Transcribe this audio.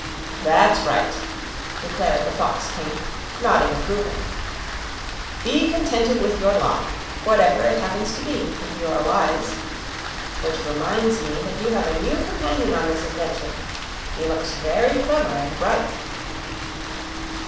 "That's right," declared the Fox King, nodding approval. "Be contented with your lot, whatever it happens to be, if you are wise. Which reminds me that you have a new companion on this adventure he looks very clever and bright."